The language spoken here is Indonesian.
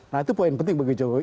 nah itu poin penting bagi jokowi